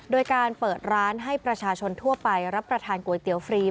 โดยการเปิดร้านให้ประชาชนทั่วไปรับประทานก๋วยเตี๋ยวฟรี